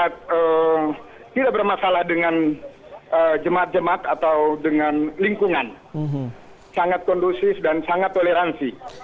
masyarakat tidak bermasalah dengan jemaat jemaat atau dengan lingkungan sangat kondusif dan sangat toleransi